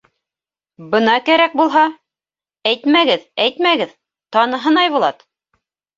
— Бына кәрәк булһа, әйтмәгеҙ, әйтмәгеҙ, таныһын Айбулат!